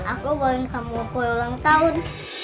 zara aku mau bawa kamu kue ulang tahun